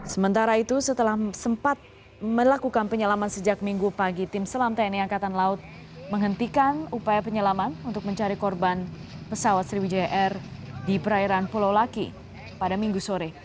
sementara itu setelah sempat melakukan penyelaman sejak minggu pagi tim selam tni angkatan laut menghentikan upaya penyelaman untuk mencari korban pesawat sriwijaya air di perairan pulau laki pada minggu sore